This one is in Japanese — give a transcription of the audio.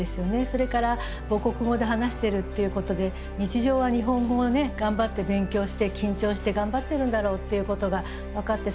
それから母国語で話してるっていうことで日常は日本語を頑張って勉強して緊張して頑張っているんだろうっていうことが分かって